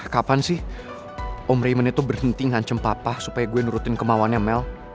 kapan sih om rayment itu berhenti ngancem papa supaya gue nurutin kemauannya mel